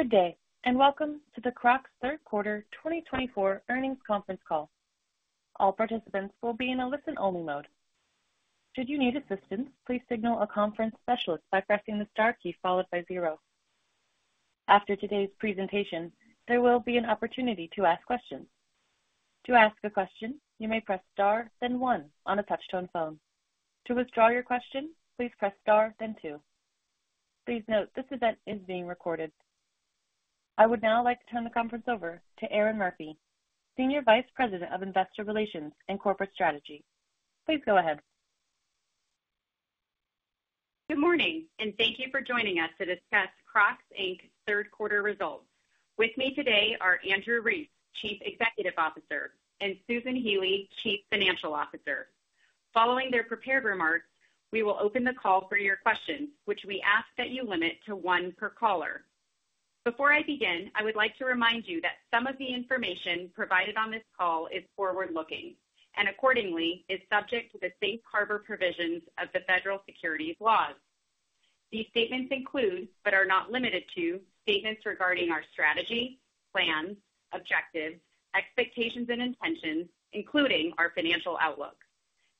Good day, and welcome to the Crocs Third Quarter 2024 earnings conference call. All participants will be in a listen-only mode. Should you need assistance, please signal a conference specialist by pressing the star key followed by zero. After today's presentation, there will be an opportunity to ask questions. To ask a question, you may press star, then one on a touch-tone phone. To withdraw your question, please press star, then two. Please note this event is being recorded. I would now like to turn the conference over to Erin Murphy, Senior Vice President of Investor Relations and Corporate Strategy. Please go ahead. Good morning, and thank you for joining us to discuss Crocs, Inc.'s third quarter results. With me today are Andrew Rees, Chief Executive Officer, and Susan Healy, Chief Financial Officer. Following their prepared remarks, we will open the call for your questions, which we ask that you limit to one per caller. Before I begin, I would like to remind you that some of the information provided on this call is forward-looking and, accordingly, is subject to the safe harbor provisions of the federal securities laws. These statements include, but are not limited to, statements regarding our strategy, plans, objectives, expectations, and intentions, including our financial outlook.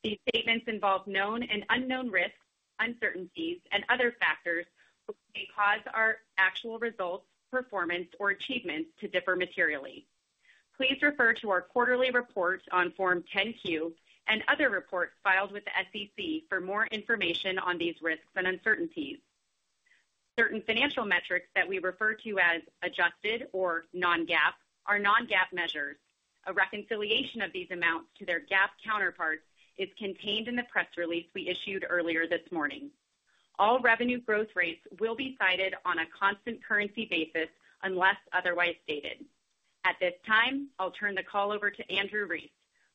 These statements involve known and unknown risks, uncertainties, and other factors which may cause our actual results, performance, or achievements to differ materially. Please refer to our quarterly reports on Form 10-Q and other reports filed with the SEC for more information on these risks and uncertainties. Certain financial metrics that we refer to as adjusted or non-GAAP are non-GAAP measures. A reconciliation of these amounts to their GAAP counterparts is contained in the press release we issued earlier this morning. All revenue growth rates will be cited on a constant currency basis unless otherwise stated. At this time, I'll turn the call over to Andrew Rees,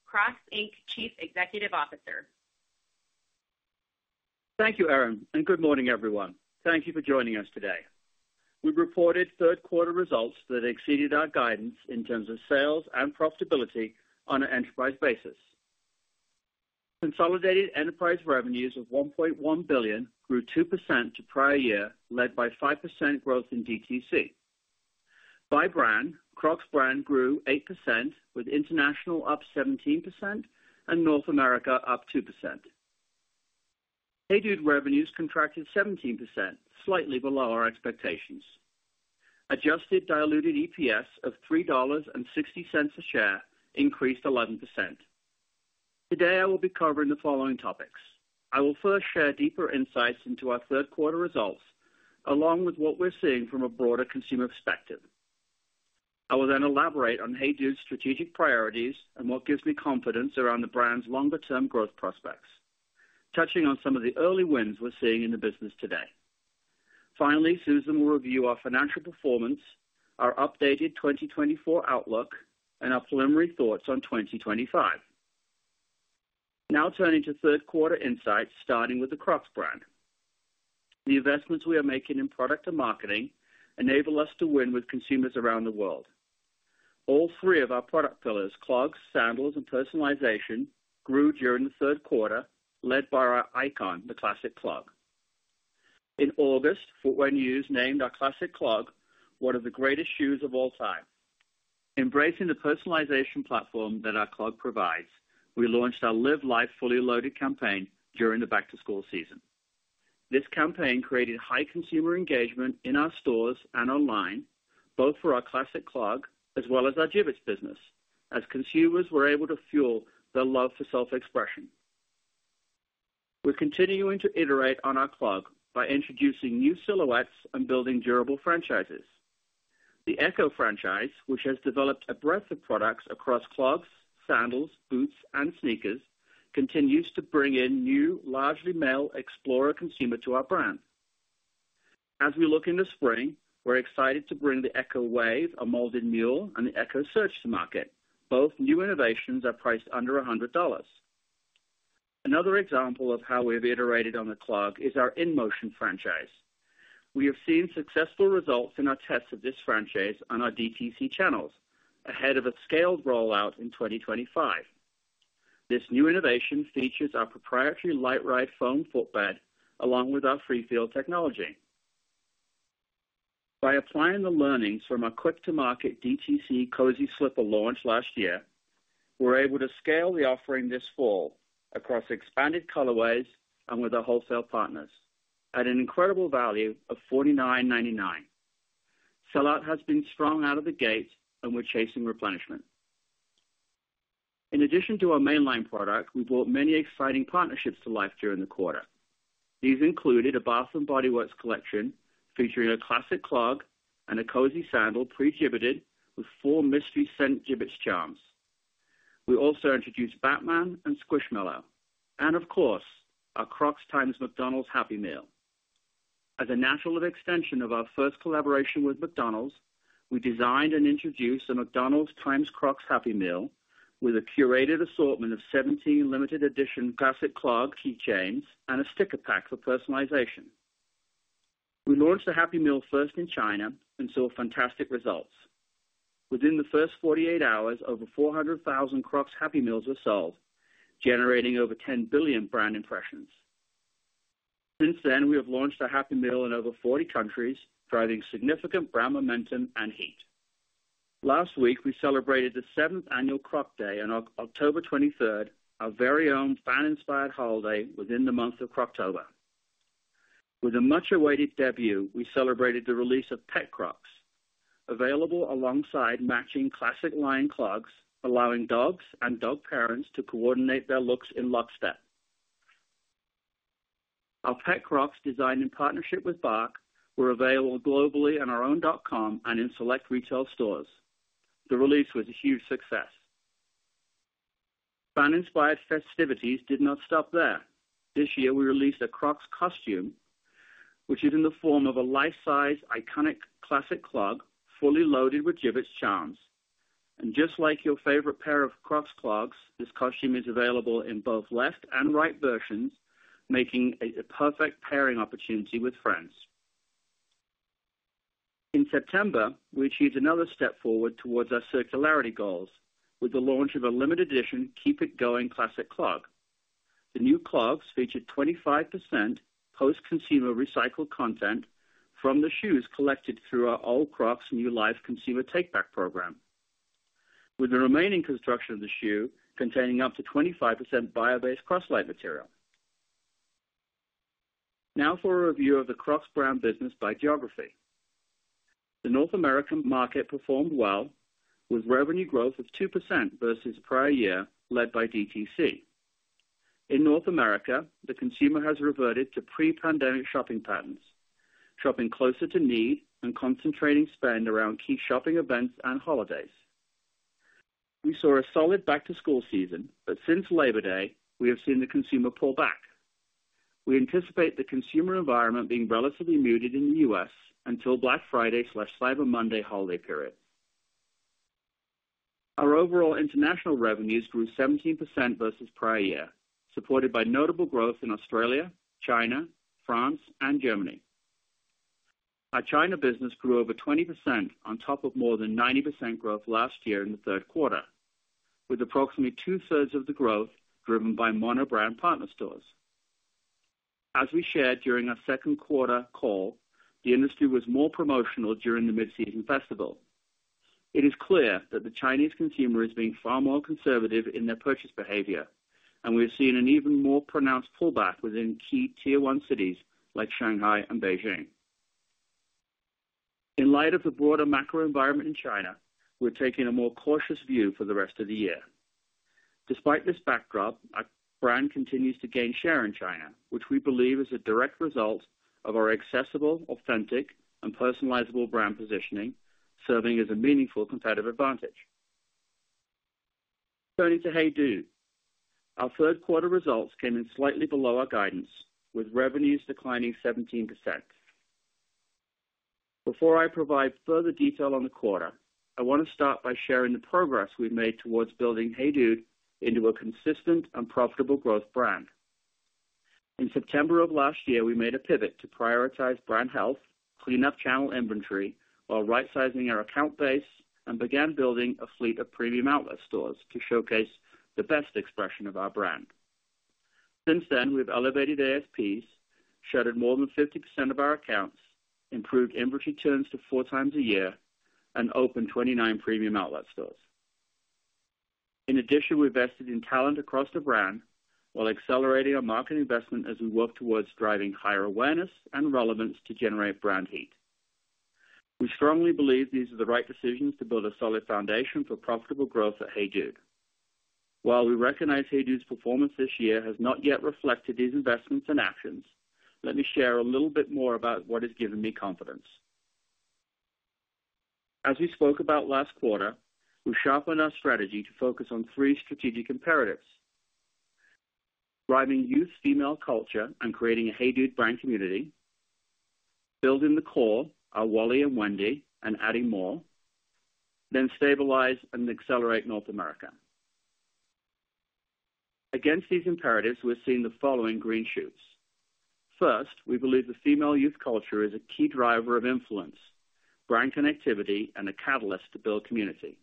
Crocs Inc. Chief Executive Officer. Thank you, Erin, and good morning, everyone. Thank you for joining us today. We reported third quarter results that exceeded our guidance in terms of sales and profitability on an enterprise basis. Consolidated enterprise revenues of $1.1 billion grew 2% to prior year, led by 5% growth in DTC. By brand, Crocs brand grew 8%, with international up 17% and North America up 2%. HEYDUDE revenues contracted 17%, slightly below our expectations. Adjusted diluted EPS of $3.60 a share increased 11%. Today, I will be covering the following topics. I will first share deeper insights into our third quarter results, along with what we're seeing from a broader consumer perspective. I will then elaborate on HEYDUDE's strategic priorities and what gives me confidence around the brand's longer-term growth prospects, touching on some of the early wins we're seeing in the business today. Finally, Susan will review our financial performance, our updated 2024 outlook, and our preliminary thoughts on 2025. Now, turning to third quarter insights, starting with the Crocs brand. The investments we are making in product and marketing enable us to win with consumers around the world. All three of our product pillars, clogs, sandals, and personalization, grew during the third quarter, led by our icon, the Classic Clog. In August, Footwear News named our Classic Clog one of the greatest shoes of all time. Embracing the personalization platform that our Clog provides, we launched our Live Life Fully Loaded campaign during the back-to-school season. This campaign created high consumer engagement in our stores and online, both for our Classic Clog as well as our Jibbitz business, as consumers were able to fuel their love for self-expression. We're continuing to iterate on our Clog by introducing new silhouettes and building durable franchises. The Echo franchise, which has developed a breadth of products across clogs, sandals, boots, and sneakers, continues to bring in new, largely male explorer consumers to our brand. As we look into spring, we're excited to bring the Echo Wave, a molded mule, and the Echo Surge to market. Both new innovations are priced under $100. Another example of how we've iterated on the Clog is our In Motion franchise. We have seen successful results in our tests of this franchise on our DTC channels, ahead of a scaled rollout in 2025. This new innovation features our proprietary LiteRide foam footbed along with our Free Feel technology. By applying the learnings from our quick-to-market DTC Cozzzy Slipper launch last year, we're able to scale the offering this fall across expanded colorways and with our wholesale partners at an incredible value of $49.99. Sellout has been strong out of the gate, and we're chasing replenishment. In addition to our mainline product, we brought many exciting partnerships to life during the quarter. These included a Bath & Body Works collection featuring a Classic Clog and a Cozzzy Sandal pre-Jibbitzed with four mystery scent Jibbitz charms. We also introduced Batman and Squishmallows, and of course, our Crocs x McDonald's Happy Meal. As a natural extension of our first collaboration with McDonald's, we designed and introduced a McDonald's x Crocs Happy Meal with a curated assortment of 17 limited edition Classic Clog keychains and a sticker pack for personalization. We launched the Happy Meal first in China and saw fantastic results. Within the first 48 hours, over 400,000 Crocs Happy Meals were sold, generating over 10 billion brand impressions. Since then, we have launched a Happy Meal in over 40 countries, driving significant brand momentum and heat. Last week, we celebrated the seventh annual Croc Day on October 23, our very own fan-inspired holiday within the month of Croctober. With a much-awaited debut, we celebrated the release of Pet Crocs, available alongside matching Classic Lined Clogs, allowing dogs and dog parents to coordinate their looks in lockstep. Our Pet Crocs, designed in partnership with Bark, were available globally on our own dot com and in select retail stores. The release was a huge success. Fan-inspired festivities did not stop there. This year, we released a Crocs costume, which is in the form of a life-size iconic Classic Clog fully loaded with Jibbitz charms. And just like your favorite pair of Crocs clogs, this costume is available in both left and right versions, making it a perfect pairing opportunity with friends. In September, we achieved another step forward towards our circularity goals with the launch of a limited edition Keep It Going Classic Clog. The new clogs featured 25% post-consumer recycled content from the shoes collected through our Old Crocs. New Life consumer take-back program, with the remaining construction of the shoe containing up to 25% bio-based Croslite material. Now for a review of the Crocs brand business by geography. The North American market performed well, with revenue growth of 2% versus prior year, led by DTC. In North America, the consumer has reverted to pre-pandemic shopping patterns, shopping closer to need and concentrating spend around key shopping events and holidays. We saw a solid back-to-school season, but since Labor Day, we have seen the consumer pull back. We anticipate the consumer environment being relatively muted in the U.S. until Black Friday/Cyber Monday holiday period. Our overall international revenues grew 17% versus prior year, supported by notable growth in Australia, China, France, and Germany. Our China business grew over 20% on top of more than 90% growth last year in the third quarter, with approximately two-thirds of the growth driven by monobrand partner stores. As we shared during our second quarter call, the industry was more promotional during the mid-season festival. It is clear that the Chinese consumer is being far more conservative in their purchase behavior, and we have seen an even more pronounced pullback within key tier-one cities like Shanghai and Beijing. In light of the broader macro environment in China, we're taking a more cautious view for the rest of the year. Despite this backdrop, our brand continues to gain share in China, which we believe is a direct result of our accessible, authentic, and personalizable brand positioning, serving as a meaningful competitive advantage. Turning to HEYDUDE, our third quarter results came in slightly below our guidance, with revenues declining 17%. Before I provide further detail on the quarter, I want to start by sharing the progress we've made towards building HEYDUDE into a consistent and profitable growth brand. In September of last year, we made a pivot to prioritize brand health, clean up channel inventory, while right-sizing our account base, and began building a fleet of premium outlet stores to showcase the best expression of our brand. Since then, we've elevated ASPs, shuttered more than 50% of our accounts, improved inventory turns to four times a year, and opened 29 premium outlet stores. In addition, we invested in talent across the brand while accelerating our market investment as we work towards driving higher awareness and relevance to generate brand heat. We strongly believe these are the right decisions to build a solid foundation for profitable growth at HEYDUDE. While we recognize HEYDUDE's performance this year has not yet reflected these investments and actions, let me share a little bit more about what has given me confidence. As we spoke about last quarter, we sharpened our strategy to focus on three strategic imperatives: riding youth female culture and creating a HEYDUDE brand community, building the core, our Wally and Wendy, and adding more, then stabilize and accelerate North America. Against these imperatives, we're seeing the following green shoots. First, we believe the female youth culture is a key driver of influence, brand connectivity, and a catalyst to build community.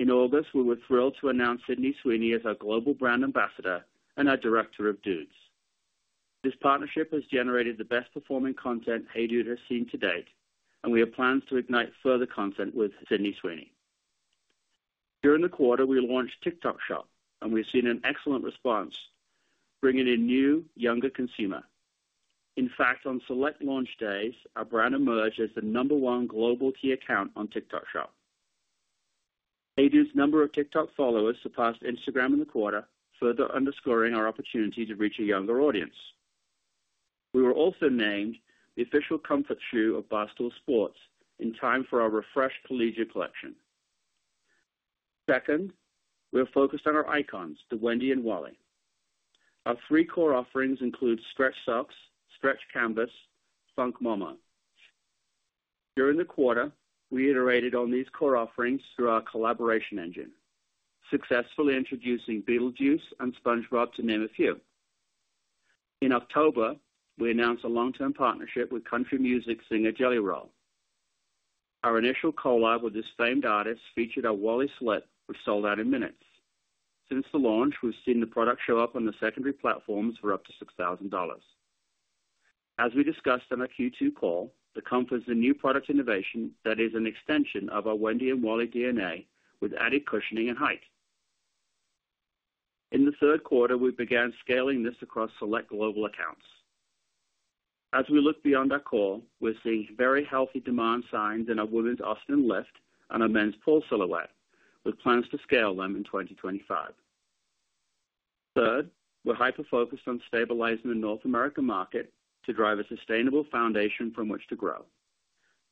In August, we were thrilled to announce Sydney Sweeney as our global brand ambassador and our Director of Dudes. This partnership has generated the best-performing content HEYDUDE has seen to date, and we have plans to ignite further content with Sydney Sweeney. During the quarter, we launched TikTok Shop, and we've seen an excellent response, bringing in new, younger consumers. In fact, on select launch days, our brand emerged as the number one global key account on TikTok Shop. HEYDUDE's number of TikTok followers surpassed Instagram in the quarter, further underscoring our opportunity to reach a younger audience. We were also named the official comfort shoe of Barstool Sports in time for our refreshed collegiate collection. Second, we're focused on our icons, the Wendy and Wally. Our three core offerings include Stretch Sox, Stretch Canvas, and Funk Mono. During the quarter, we iterated on these core offerings through our collaboration engine, successfully introducing Beetlejuice and SpongeBob, to name a few. In October, we announced a long-term partnership with country music singer Jelly Roll. Our initial collab with this famed artist featured our Wally Slip, which sold out in minutes. Since the launch, we've seen the product show up on the secondary platforms for up to $6,000. As we discussed in our Q2 call, the Comf is a new product innovation that is an extension of our Wendy and Wally DNA with added cushioning and height. In the third quarter, we began scaling this across select global accounts. As we look beyond our core, we're seeing very healthy demand signs in our women's Austin Lift and our men's Paul silhouette, with plans to scale them in 2025. Third, we're hyper-focused on stabilizing the North America market to drive a sustainable foundation from which to grow.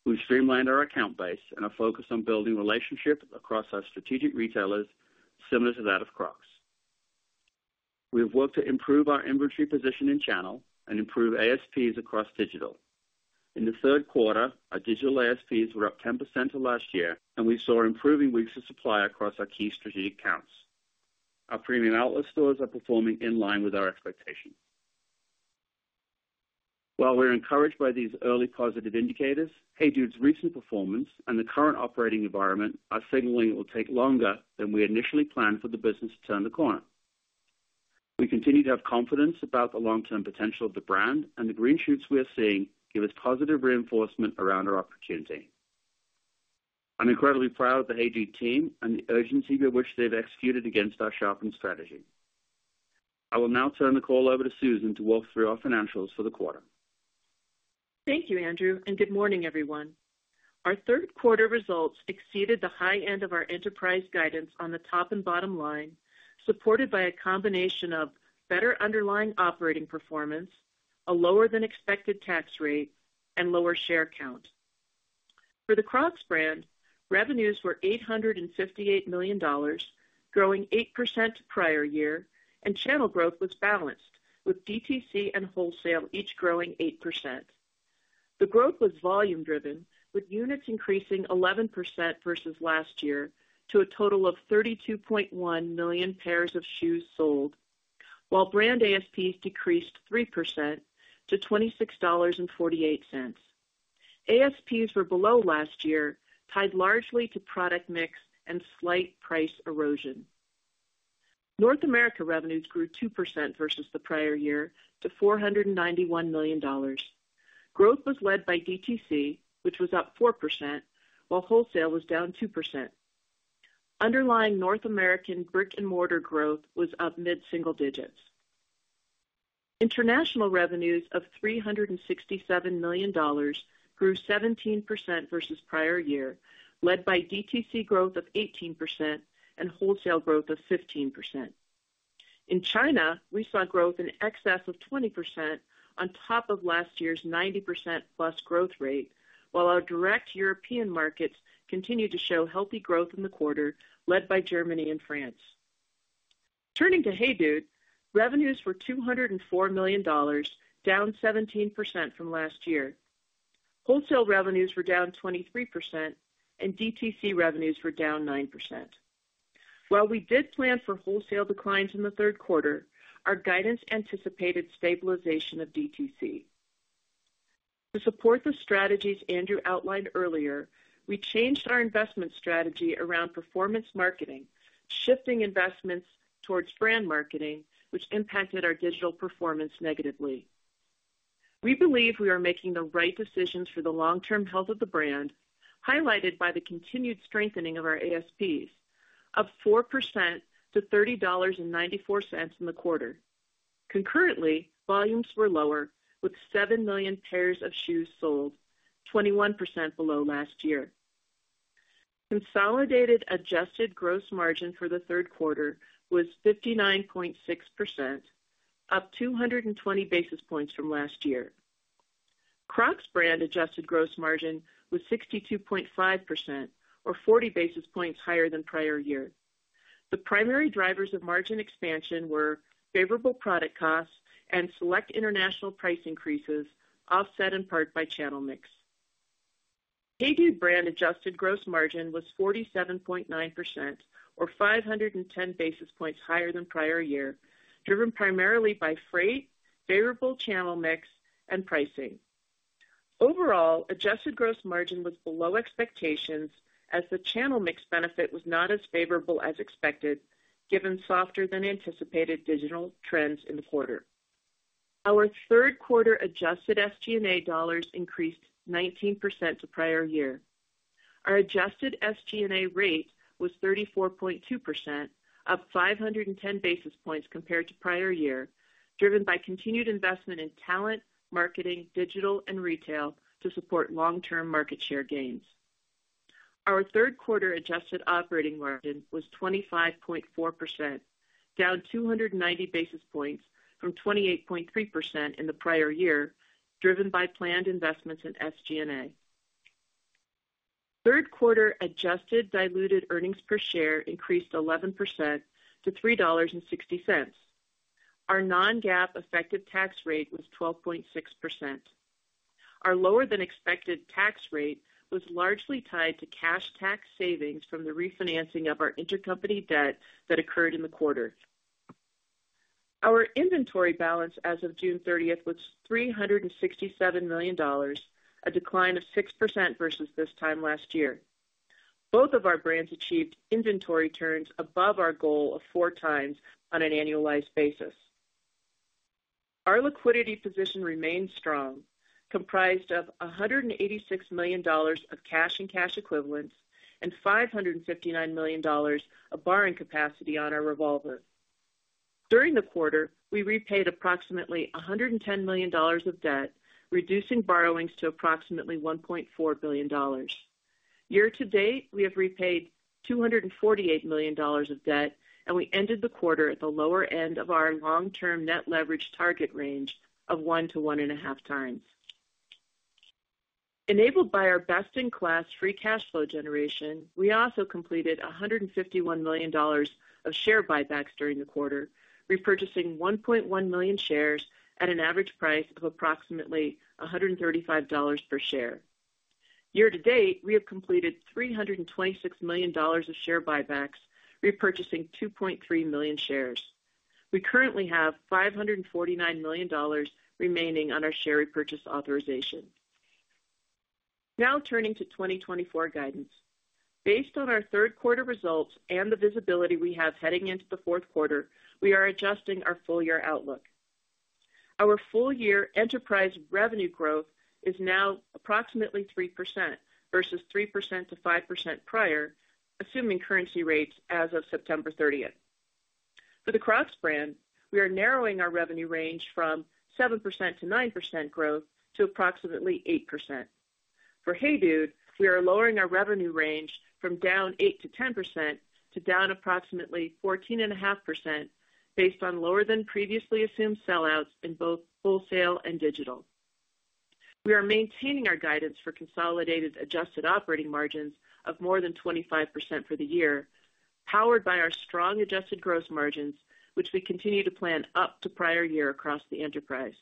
We've streamlined our account base and are focused on building relationships across our strategic retailers, similar to that of Crocs. We have worked to improve our inventory position in channel and improve ASPs across digital. In the third quarter, our digital ASPs were up 10% to last year, and we saw improving weeks of supply across our key strategic accounts. Our premium outlet stores are performing in line with our expectations. While we're encouraged by these early positive indicators, HEYDUDE's recent performance and the current operating environment are signaling it will take longer than we initially planned for the business to turn the corner. We continue to have confidence about the long-term potential of the brand, and the green shoots we are seeing give us positive reinforcement around our opportunity. I'm incredibly proud of the HEYDUDE team and the urgency with which they've executed against our sharpened strategy. I will now turn the call over to Susan to walk through our financials for the quarter. Thank you, Andrew, and good morning, everyone. Our third quarter results exceeded the high end of our enterprise guidance on the top and bottom line, supported by a combination of better underlying operating performance, a lower-than-expected tax rate, and lower share count. For the Crocs brand, revenues were $858 million, growing 8% prior year, and channel growth was balanced, with DTC and wholesale each growing 8%. The growth was volume-driven, with units increasing 11% versus last year to a total of 32.1 million pairs of shoes sold, while brand ASPs decreased 3% to $26.48. ASPs were below last year, tied largely to product mix and slight price erosion. North America revenues grew 2% versus the prior year to $491 million. Growth was led by DTC, which was up 4%, while wholesale was down 2%. Underlying North American brick-and-mortar growth was up mid-single digits. International revenues of $367 million grew 17% versus prior year, led by DTC growth of 18% and wholesale growth of 15%. In China, we saw growth in excess of 20% on top of last year's 90% plus growth rate, while our direct European markets continued to show healthy growth in the quarter, led by Germany and France. Turning to HEYDUDE, revenues were $204 million, down 17% from last year. Wholesale revenues were down 23%, and DTC revenues were down 9%. While we did plan for wholesale declines in the third quarter, our guidance anticipated stabilization of DTC. To support the strategies Andrew outlined earlier, we changed our investment strategy around performance marketing, shifting investments towards brand marketing, which impacted our digital performance negatively. We believe we are making the right decisions for the long-term health of the brand, highlighted by the continued strengthening of our ASPs, up 4% to $30.94 in the quarter. Concurrently, volumes were lower, with 7 million pairs of shoes sold, 21% below last year. Consolidated adjusted gross margin for the third quarter was 59.6%, up 220 basis points from last year. Crocs brand adjusted gross margin was 62.5%, or 40 basis points higher than prior year. The primary drivers of margin expansion were favorable product costs and select international price increases, offset in part by channel mix. HEYDUDE brand adjusted gross margin was 47.9%, or 510 basis points higher than prior year, driven primarily by freight, favorable channel mix, and pricing. Overall, adjusted gross margin was below expectations as the channel mix benefit was not as favorable as expected, given softer-than-anticipated digital trends in the quarter. Our third quarter adjusted SG&A dollars increased 19% to prior year. Our adjusted SG&A rate was 34.2%, up 510 basis points compared to prior year, driven by continued investment in talent, marketing, digital, and retail to support long-term market share gains. Our third quarter adjusted operating margin was 25.4%, down 290 basis points from 28.3% in the prior year, driven by planned investments in SG&A. Third quarter adjusted diluted earnings per share increased 11% to $3.60. Our non-GAAP effective tax rate was 12.6%. Our lower-than-expected tax rate was largely tied to cash tax savings from the refinancing of our intercompany debt that occurred in the quarter. Our inventory balance as of June 30 was $367 million, a decline of 6% versus this time last year. Both of our brands achieved inventory turns above our goal of four times on an annualized basis. Our liquidity position remained strong, comprised of $186 million of cash and cash equivalents and $559 million of borrowing capacity on our revolver. During the quarter, we repaid approximately $110 million of debt, reducing borrowings to approximately $1.4 billion. Year to date, we have repaid $248 million of debt, and we ended the quarter at the lower end of our long-term net leverage target range of one to one and a half times. Enabled by our best-in-class free cash flow generation, we also completed $151 million of share buybacks during the quarter, repurchasing 1.1 million shares at an average price of approximately $135 per share. Year to date, we have completed $326 million of share buybacks, repurchasing 2.3 million shares. We currently have $549 million remaining on our share repurchase authorization. Now turning to 2024 guidance. Based on our third quarter results and the visibility we have heading into the fourth quarter, we are adjusting our full-year outlook. Our full-year enterprise revenue growth is now approximately 3% versus 3% to 5% prior, assuming currency rates as of September 30. For the Crocs brand, we are narrowing our revenue range from 7% to 9% growth to approximately 8%. For HEYDUDE, we are lowering our revenue range from down 8% to 10% to down approximately 14.5% based on lower-than-previously-assumed sellouts in both wholesale and digital. We are maintaining our guidance for consolidated adjusted operating margins of more than 25% for the year, powered by our strong adjusted gross margins, which we continue to plan up to prior year across the enterprise.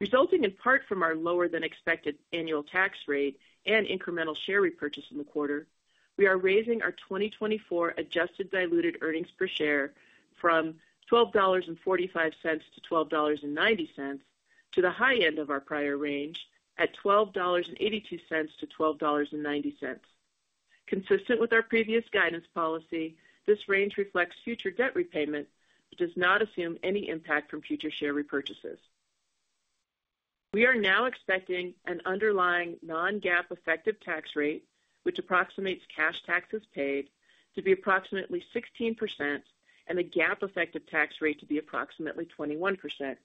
Resulting in part from our lower-than-expected annual tax rate and incremental share repurchase in the quarter, we are raising our 2024 adjusted diluted earnings per share from $12.45-$12.90 to the high end of our prior range at $12.82-$12.90. Consistent with our previous guidance policy, this range reflects future debt repayment but does not assume any impact from future share repurchases. We are now expecting an underlying non-GAAP effective tax rate, which approximates cash taxes paid, to be approximately 16% and the GAAP effective tax rate to be approximately 21%.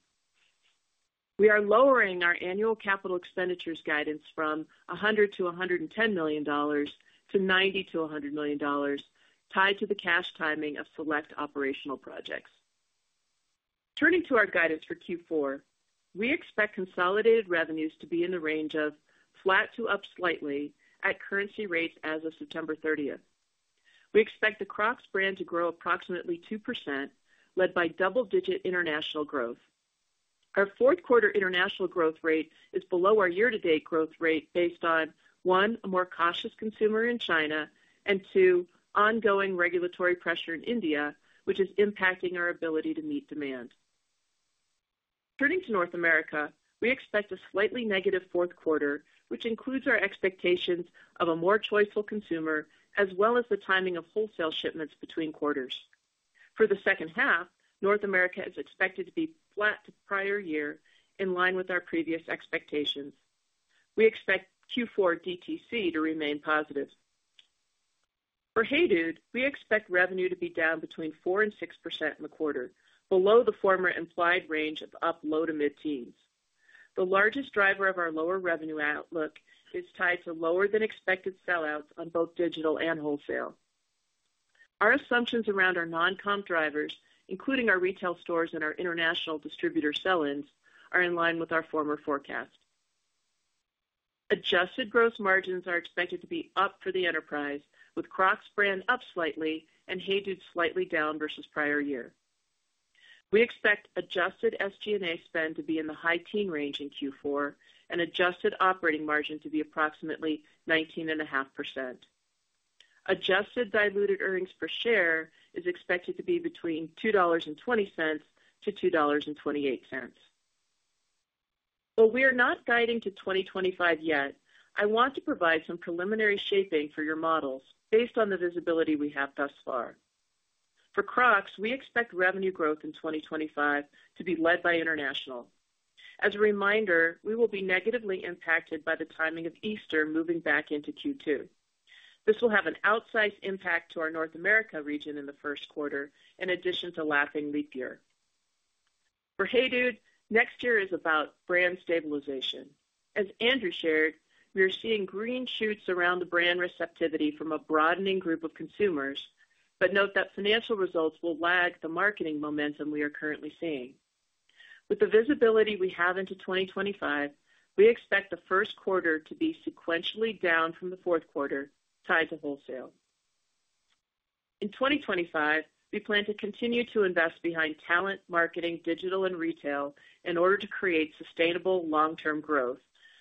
We are lowering our annual capital expenditures guidance from $100-$110 to 90-100 million, tied to the cash timing of select operational projects. Turning to our guidance for Q4, we expect consolidated revenues to be in the range of flat to up slightly at currency rates as of September 30. We expect the Crocs brand to grow approximately 2%, led by double-digit international growth. Our fourth quarter international growth rate is below our year-to-date growth rate based on, one, a more cautious consumer in China and, two, ongoing regulatory pressure in India, which is impacting our ability to meet demand. Turning to North America, we expect a slightly negative fourth quarter, which includes our expectations of a more choiceful consumer as well as the timing of wholesale shipments between quarters. For the second half, North America is expected to be flat to prior year, in line with our previous expectations. We expect Q4 DTC to remain positive. For HEYDUDE, we expect revenue to be down between 4% and 6% in the quarter, below the former implied range of up low to mid-teens. The largest driver of our lower revenue outlook is tied to lower-than-expected sellouts on both digital and wholesale. Our assumptions around our non-DTC drivers, including our retail stores and our international distributor sell-ins, are in line with our former forecast. Adjusted gross margins are expected to be up for the enterprise, with Crocs brand up slightly and HEYDUDE slightly down versus prior year. We expect adjusted SG&A spend to be in the high-teen range in Q4 and adjusted operating margin to be approximately 19.5%. Adjusted diluted earnings per share is expected to be between $2.20-$2.28. While we are not guiding to 2025 yet, I want to provide some preliminary shaping for your models based on the visibility we have thus far. For Crocs, we expect revenue growth in 2025 to be led by international. As a reminder, we will be negatively impacted by the timing of Easter moving back into Q2. This will have an outsized impact to our North America region in the first quarter, in addition to lapping leap year. For HEYDUDE, next year is about brand stabilization. As Andrew shared, we are seeing green shoots around the brand receptivity from a broadening group of consumers, but note that financial results will lag the marketing momentum we are currently seeing. With the visibility we have into 2025, we expect the first quarter to be sequentially down from the fourth quarter, tied to wholesale. In 2025, we plan to continue to invest behind talent, marketing, digital, and retail in order to create sustainable long-term growth,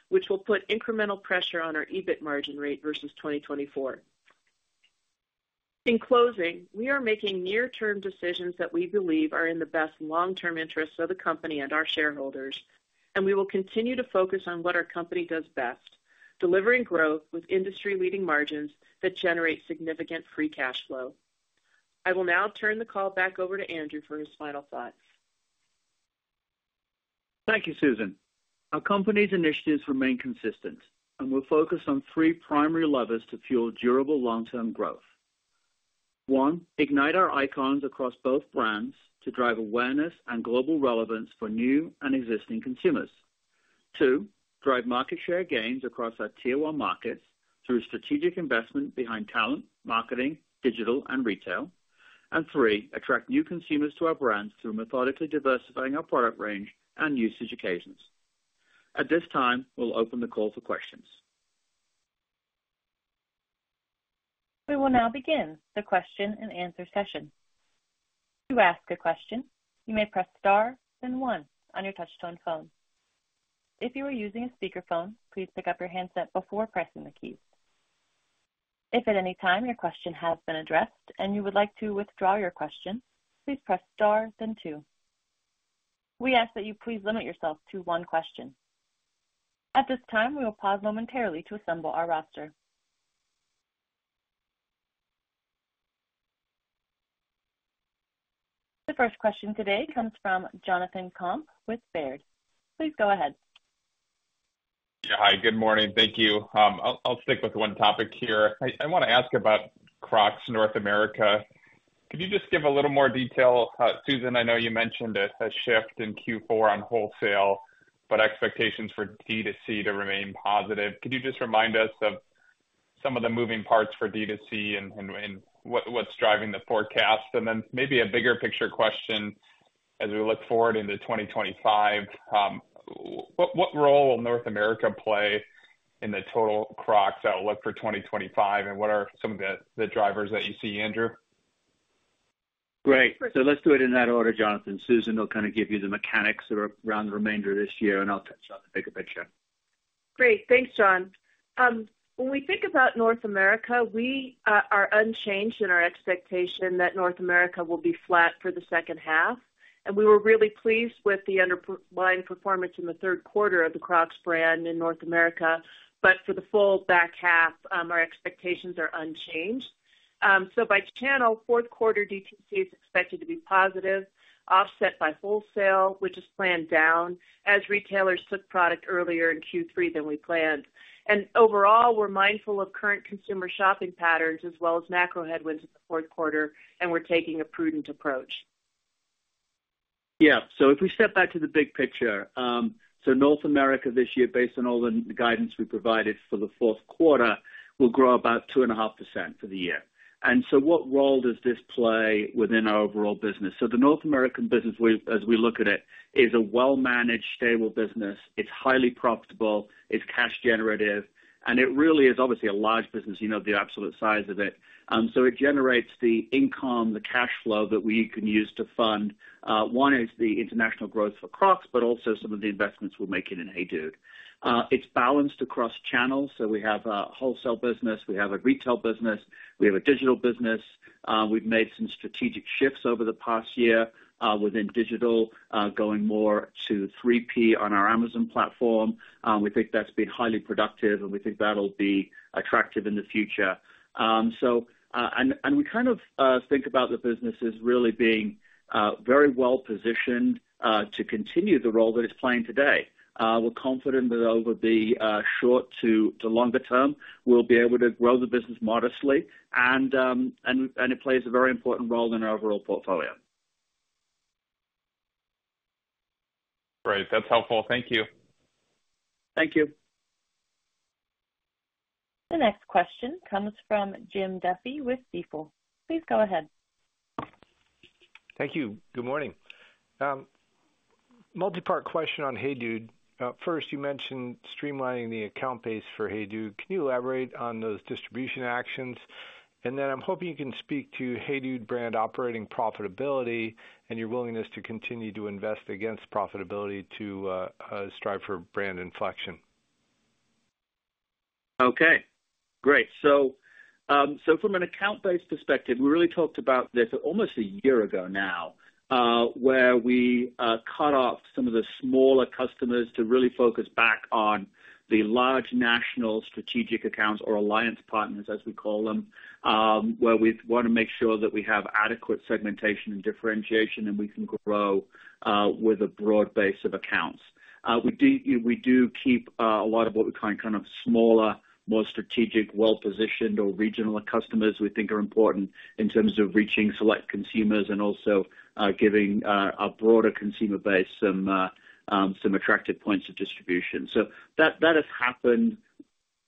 which will put incremental pressure on our EBIT margin rate versus 2024. In closing, we are making near-term decisions that we believe are in the best long-term interests of the company and our shareholders, and we will continue to focus on what our company does best, delivering growth with industry-leading margins that generate significant free cash flow. I will now turn the call back over to Andrew for his final thoughts. Thank you, Susan. Our company's initiatives remain consistent, and we'll focus on three primary levers to fuel durable long-term growth. One, ignite our icons across both brands to drive awareness and global relevance for new and existing consumers. Two, drive market share gains across our tier one markets through strategic investment behind talent, marketing, digital, and retail. And three, attract new consumers to our brands through methodically diversifying our product range and usage occasions. At this time, we'll open the call for questions. We will now begin the question and answer session. To ask a question, you may press star then one on your touch-tone phone. If you are using a speakerphone, please pick up your handset before pressing the keys. If at any time your question has been addressed and you would like to withdraw your question, please press star then two. We ask that you please limit yourself to one question. At this time, we will pause momentarily to assemble our roster. The first question today comes from Jonathan Komp with Baird. Please go ahead. Hi, good morning. Thank you. I'll stick with one topic here. I want to ask about Crocs North America. Could you just give a little more detail? Susan, I know you mentioned a shift in Q4 on wholesale, but expectations for DTC to remain positive. Could you just remind us of some of the moving parts for DTC and what's driving the forecast? And then maybe a bigger picture question as we look forward into 2025. What role will North America play in the total Crocs outlook for 2025? And what are some of the drivers that you see, Andrew? Great. So let's do it in that order, Jonathan. Susan will kind of give you the mechanics around the remainder of this year, and I'll touch on the bigger picture. Great. Thanks, Jonathan. When we think about North America, we are unchanged in our expectation that North America will be flat for the second half. We were really pleased with the underlying performance in the third quarter of the Crocs brand in North America. For the full back half, our expectations are unchanged. So, by channel, fourth quarter DTC is expected to be positive, offset by wholesale, which is planned down as retailers took product earlier in Q3 than we planned. And overall, we're mindful of current consumer shopping patterns as well as macro headwinds in the fourth quarter, and we're taking a prudent approach. Yeah. So if we step back to the big picture, so North America this year, based on all the guidance we provided for the fourth quarter, will grow about 2.5% for the year. And so what role does this play within our overall business? So the North American business, as we look at it, is a well-managed, stable business. It's highly profitable. It's cash generative. And it really is obviously a large business, the absolute size of it. So it generates the income, the cash flow that we can use to fund one, the international growth for Crocs, but also some of the investments we're making in HEYDUDE. It's balanced across channels. So we have a wholesale business. We have a retail business. We have a digital business. We've made some strategic shifts over the past year within digital, going more to 3P on our Amazon platform. We think that's been highly productive, and we think that'll be attractive in the future. And we kind of think about the business as really being very well positioned to continue the role that it's playing today. We're confident that over the short to longer term, we'll be able to grow the business modestly, and it plays a very important role in our overall portfolio. Great. That's helpful. Thank you. Thank you. The next question comes from Jim Duffy with Stifel. Please go ahead. Thank you. Good morning. Multi-part question on HEYDUDE. First, you mentioned streamlining the account base for HEYDUDE. Can you elaborate on those distribution actions? And then I'm hoping you can speak to HEYDUDE brand operating profitability and your willingness to continue to invest against profitability to strive for brand inflection. Okay. Great. So from an account-based perspective, we really talked about this almost a year ago now, where we cut off some of the smaller customers to really focus back on the large national strategic accounts or alliance partners, as we call them, where we want to make sure that we have adequate segmentation and differentiation and we can grow with a broad base of accounts. We do keep a lot of what we find kind of smaller, more strategic, well-positioned or regional customers we think are important in terms of reaching select consumers and also giving a broader consumer base some attractive points of distribution. So that has happened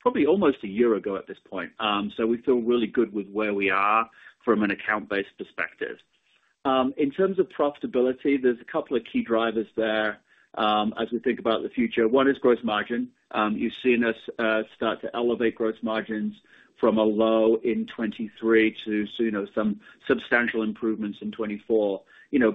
probably almost a year ago at this point. So we feel really good with where we are from an account-based perspective. In terms of profitability, there's a couple of key drivers there as we think about the future. One is gross margin. You've seen us start to elevate gross margins from a low in 2023 to some substantial improvements in 2024,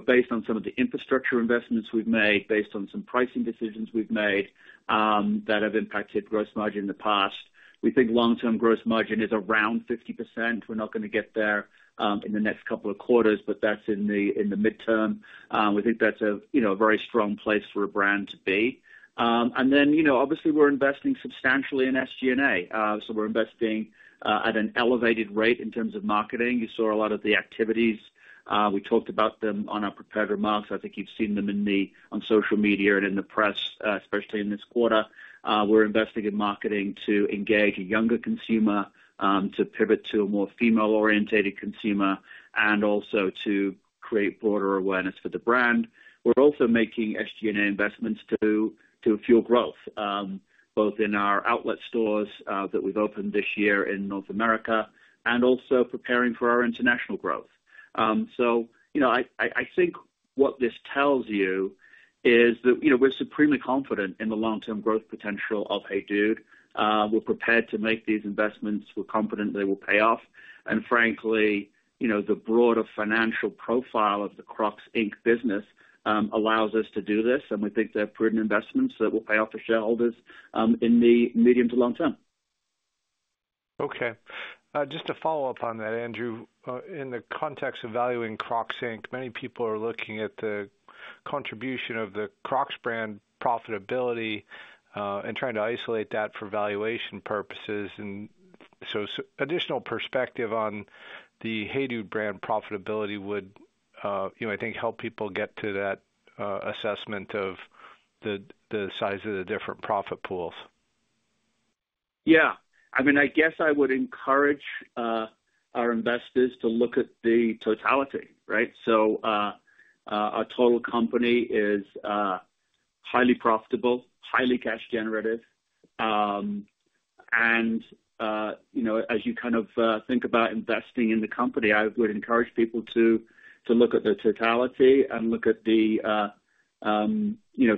based on some of the infrastructure investments we've made, based on some pricing decisions we've made that have impacted gross margin in the past. We think long-term gross margin is around 50%. We're not going to get there in the next couple of quarters, but that's in the midterm. We think that's a very strong place for a brand to be. And then obviously, we're investing substantially in SG&A. So we're investing at an elevated rate in terms of marketing. You saw a lot of the activities. We talked about them on our prepared remarks. I think you've seen them on social media and in the press, especially in this quarter. We're investing in marketing to engage a younger consumer, to pivot to a more female-oriented consumer, and also to create broader awareness for the brand. We're also making SG&A investments to fuel growth, both in our outlet stores that we've opened this year in North America and also preparing for our international growth. So I think what this tells you is that we're supremely confident in the long-term growth potential of HEYDUDE. We're prepared to make these investments. We're confident they will pay off. And frankly, the broader financial profile of the Crocs, Inc. business allows us to do this, and we think they're prudent investments that will pay off for shareholders in the medium to long term. Okay. Just to follow up on that, Andrew, in the context of valuing Crocs, Inc., many people are looking at the contribution of the Crocs brand profitability and trying to isolate that for valuation purposes. And so additional perspective on the HEYDUDE brand profitability would, I think, help people get to that assessment of the size of the different profit pools. Yeah. I mean, I guess I would encourage our investors to look at the totality, right? So a total company is highly profitable, highly cash generative. And as you kind of think about investing in the company, I would encourage people to look at the totality and look at the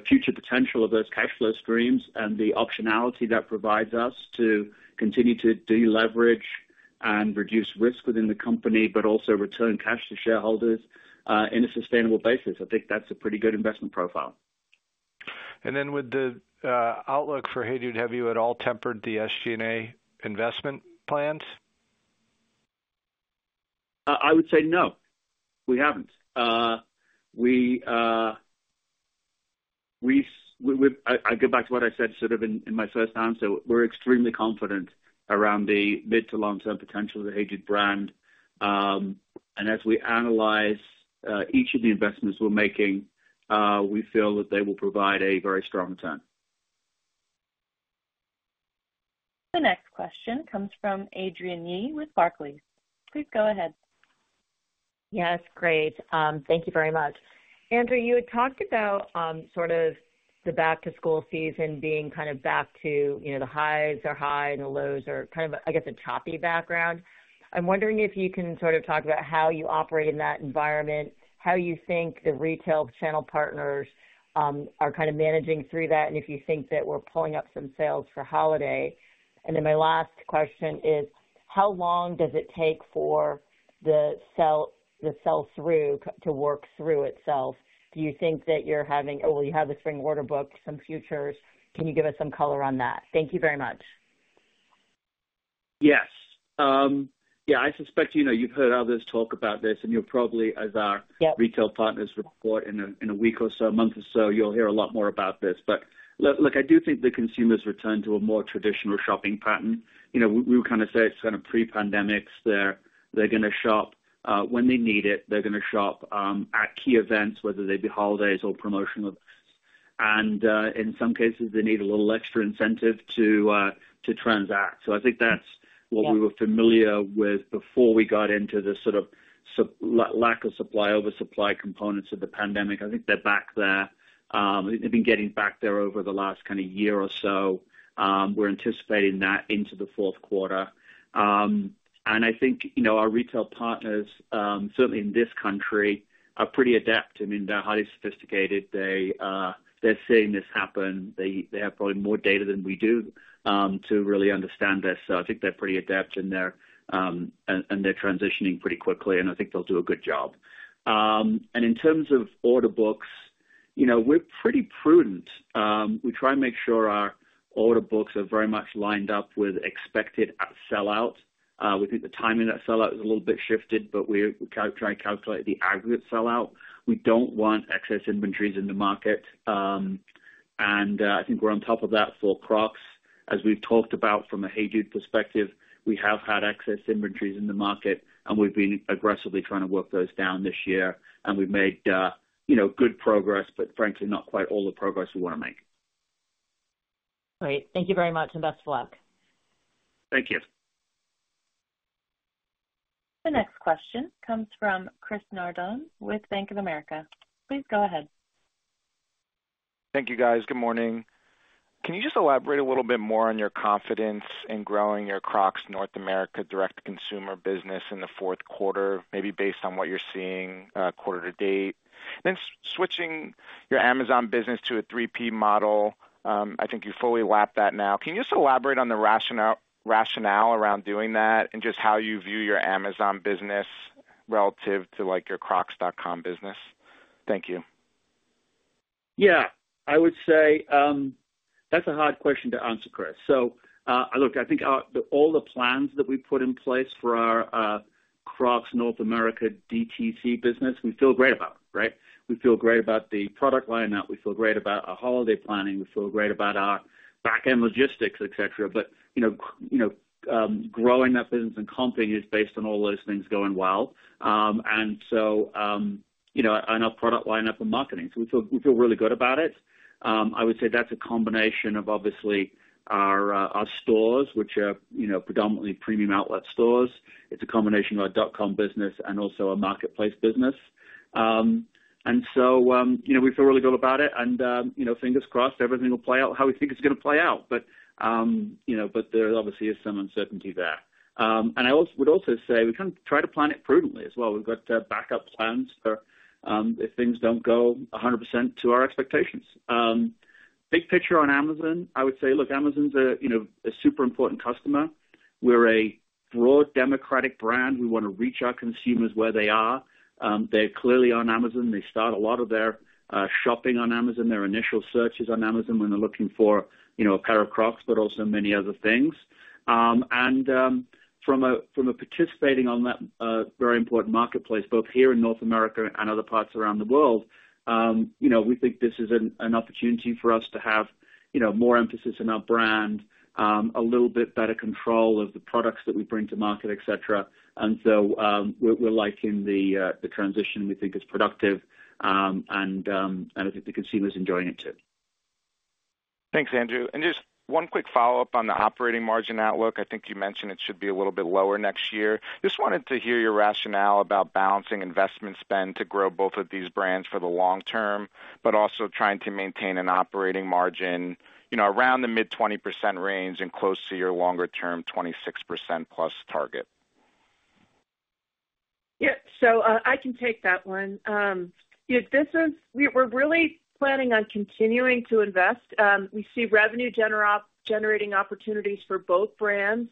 future potential of those cash flow streams and the optionality that provides us to continue to deleverage and reduce risk within the company, but also return cash to shareholders in a sustainable basis. I think that's a pretty good investment profile. And then with the outlook for HEYDUDE, have you at all tempered the SG&A investment plans? I would say no. We haven't. I go back to what I said sort of in my first answer. We're extremely confident around the mid- to long-term potential of the HEYDUDE brand. And as we analyze each of the investments we're making, we feel that they will provide a very strong return. The next question comes from Adrian Yih with Barclays. Please go ahead. Yes, great. Thank you very much. Andrew, you had talked about sort of the back-to-school season being kind of back to the highs are high and the lows are kind of, I guess, a choppy background. I'm wondering if you can sort of talk about how you operate in that environment, how you think the retail channel partners are kind of managing through that, and if you think that we're pulling up some sales for holiday. And then my last question is, how long does it take for the sell-through to work through itself? Do you think that you're having—well, you have the spring order book, some futures. Can you give us some color on that? Thank you very much. Yes. Yeah. I suspect you've heard others talk about this, and you'll probably, as our retail partners report in a week or so, a month or so, you'll hear a lot more about this. But look, I do think the consumers return to a more traditional shopping pattern. We would kind of say it's kind of pre-pandemic. They're going to shop when they need it. They're going to shop at key events, whether they be holidays or promotional events. And in some cases, they need a little extra incentive to transact. So I think that's what we were familiar with before we got into the sort of lack of supply, oversupply components of the pandemic. I think they're back there. They've been getting back there over the last kind of year or so. We're anticipating that into the fourth quarter. And I think our retail partners, certainly in this country, are pretty adept. I mean, they're highly sophisticated. They're seeing this happen. They have probably more data than we do to really understand this. So I think they're pretty adept, and they're transitioning pretty quickly. And I think they'll do a good job. And in terms of order books, we're pretty prudent. We try and make sure our order books are very much lined up with expected sellouts. We think the timing of that sellout is a little bit shifted, but we try and calculate the aggregate sellout. We don't want excess inventories in the market. And I think we're on top of that for Crocs. As we've talked about from a HEYDUDE perspective, we have had excess inventories in the market, and we've been aggressively trying to work those down this year. We've made good progress, but frankly, not quite all the progress we want to make. Great. Thank you very much, and best of luck. Thank you. The next question comes from Chris Nardone with Bank of America. Please go ahead. Thank you, guys. Good morning. Can you just elaborate a little bit more on your confidence in growing your Crocs North America direct-to-consumer business in the fourth quarter, maybe based on what you're seeing quarter to date? And then switching your Amazon business to a 3P model, I think you fully wrapped that now. Can you just elaborate on the rationale around doing that and just how you view your Amazon business relative to your crocs.com business? Thank you. Yeah. I would say that's a hard question to answer, Chris. So look, I think all the plans that we put in place for our Crocs North America DTC business, we feel great about, right? We feel great about the product lineup. We feel great about our holiday planning. We feel great about our back-end logistics, etc. But growing that business and companies based on all those things going well. And so our product lineup and marketing. So we feel really good about it. I would say that's a combination of, obviously, our stores, which are predominantly premium outlet stores. It's a combination of our dot-com business and also a marketplace business. And so we feel really good about it. And fingers crossed, everything will play out how we think it's going to play out. But there obviously is some uncertainty there. And I would also say we kind of try to plan it prudently as well. We've got backup plans if things don't go 100% to our expectations. Big picture on Amazon, I would say, look, Amazon's a super important customer. We're a broad democratic brand. We want to reach our consumers where they are. They're clearly on Amazon. They start a lot of their shopping on Amazon, their initial searches on Amazon when they're looking for a pair of Crocs, but also many other things. And from participating on that very important marketplace, both here in North America and other parts around the world, we think this is an opportunity for us to have more emphasis on our brand, a little bit better control of the products that we bring to market, etc. And so we're liking the transition. We think it's productive, and I think the consumer's enjoying it too. Thanks, Andrew. And just one quick follow-up on the operating margin outlook. I think you mentioned it should be a little bit lower next year. Just wanted to hear your rationale about balancing investment spend to grow both of these brands for the long term, but also trying to maintain an operating margin around the mid-20% range and close to your longer-term 26% plus target. Yep. So I can take that one. We're really planning on continuing to invest. We see revenue-generating opportunities for both brands.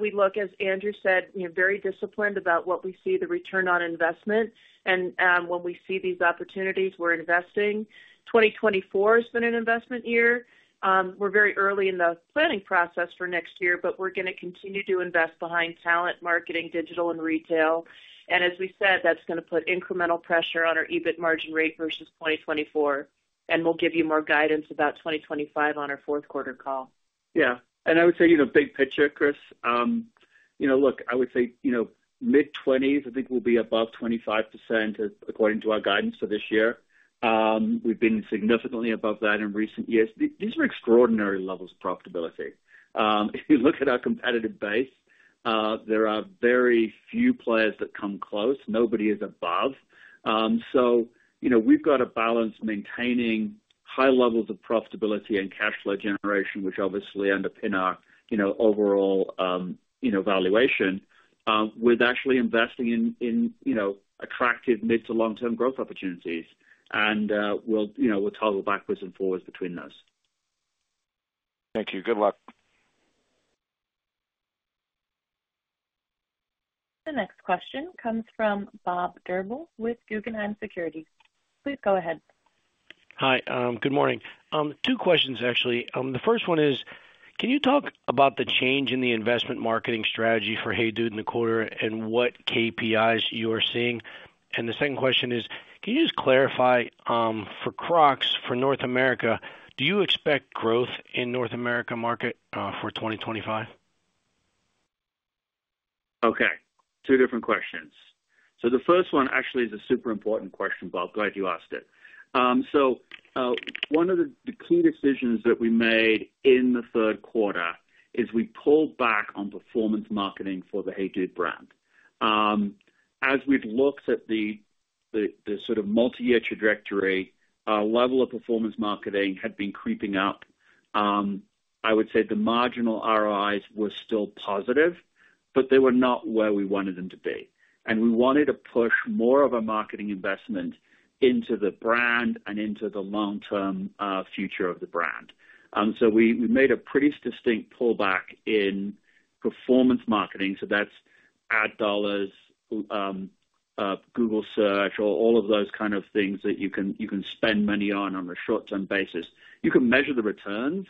We look, as Andrew said, very disciplined about what we see the return on investment. And when we see these opportunities, we're investing. 2024 has been an investment year. We're very early in the planning process for next year, but we're going to continue to invest behind talent, marketing, digital, and retail. And as we said, that's going to put incremental pressure on our EBIT margin rate versus 2024. And we'll give you more guidance about 2025 on our fourth quarter call. Yeah. And I would say big picture, Chris, look, I would say mid-20s. I think we'll be above 25% according to our guidance for this year. We've been significantly above that in recent years. These are extraordinary levels of profitability. If you look at our competitive base, there are very few players that come close. Nobody is above. So we've got a balance maintaining high levels of profitability and cash flow generation, which obviously underpin our overall valuation, with actually investing in attractive mid-to-long-term growth opportunities. And we'll toggle backwards and forwards between those. Thank you. Good luck. The next question comes from Bob Drbul with Guggenheim Securities. Please go ahead. Hi. Good morning. Two questions, actually. The first one is, can you talk about the change in the investment marketing strategy for HEYDUDE in the quarter and what KPIs you are seeing? And the second question is, can you just clarify for Crocs, for North America, do you expect growth in North America market for 2025? Okay. Two different questions. So the first one actually is a super important question, Bob. Glad you asked it. So one of the key decisions that we made in the third quarter is we pulled back on performance marketing for the HEYDUDE brand. As we've looked at the sort of multi-year trajectory, our level of performance marketing had been creeping up. I would say the marginal ROIs were still positive, but they were not where we wanted them to be. And we wanted to push more of our marketing investment into the brand and into the long-term future of the brand. So we made a pretty distinct pullback in performance marketing. So that's ad dollars, Google search, all of those kind of things that you can spend money on on a short-term basis. You can measure the returns,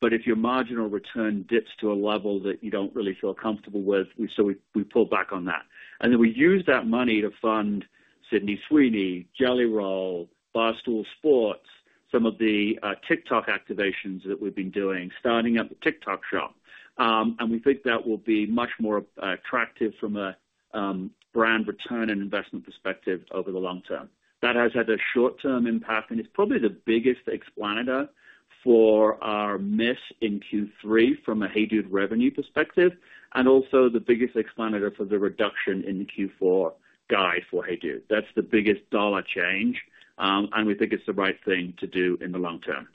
but if your marginal return dips to a level that you don't really feel comfortable with, so we pulled back on that. And then we used that money to fund Sydney Sweeney, Jelly Roll, Barstool Sports, some of the TikTok activations that we've been doing, starting up the TikTok shop. And we think that will be much more attractive from a brand return and investment perspective over the long term. That has had a short-term impact, and it's probably the biggest explanation for our miss in Q3 from a HEYDUDE revenue perspective, and also the biggest explanation for the reduction in the Q4 guide for HEYDUDE. That's the biggest dollar change, and we think it's the right thing to do in the long term.